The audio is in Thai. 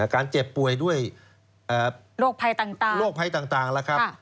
การเจ็บป่วยด้วยโรคภัยต่างล่ะครับ